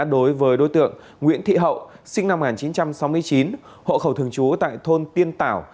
đối với đối tượng nguyễn thị hậu sinh năm một nghìn chín trăm sáu mươi chín hộ khẩu thường trú tại thôn tiên tảo